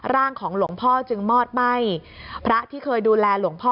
ร่างของหลวงพ่อจึงมอดไหม้พระที่เคยดูแลหลวงพ่อ